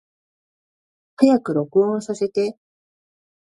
早く録音させて